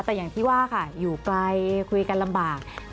แต่อย่างที่ว่าค่ะอยู่ไกลคุยกันลำบาก